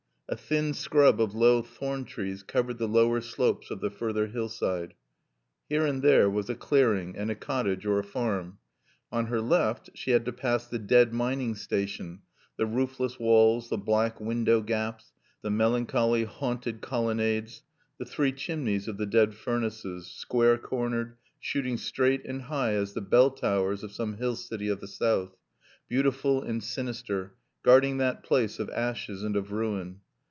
A thin scrub of low thorn trees covered the lower slopes of the further hillside. Here and there was a clearing and a cottage or a farm. On her left she had to pass the dead mining station, the roofless walls, the black window gaps, the melancholy haunted colonnades, the three chimneys of the dead furnaces, square cornered, shooting straight and high as the bell towers of some hill city of the South, beautiful and sinister, guarding that place of ashes and of ruin.